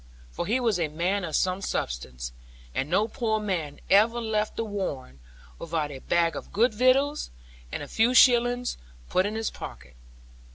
For he was a man of some substance; and no poor man ever left The Warren without a bag of good victuals, and a few shillings put in his pocket.